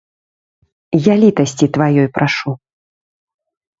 Я літасці тваёй прашу.